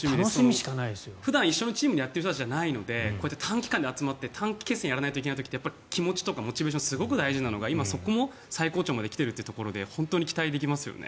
普段一緒のチームでやっている人たちじゃないのでこうやって短期間で集まって短期決戦をやらないといけない時ってモチベーションとかすごい大事なのが今、そこも最高潮まで来ているということで本当に期待できますね。